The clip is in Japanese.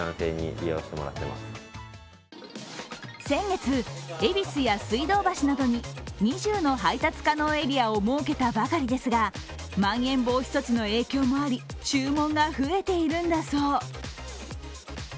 先月、恵比寿や水道橋などに２０の配達可能エリアを設けたばかりですがまん延防止等重点措置の影響もあり注文が増えているんだそう。